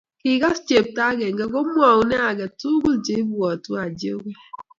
Kigas chepto akenge komwoune age tukuk cheibwatu Haji okoi.